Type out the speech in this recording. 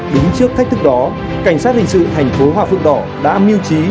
đứng trước thách thức đó cảnh sát hình sự thành phố hòa phượng đỏ đã mưu trí